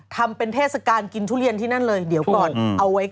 ทำเป็นเทศกาลกินทุเรียนที่นั่นเลยเดี๋ยวก่อนเอาไว้